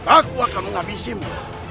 aku akan menghabisimu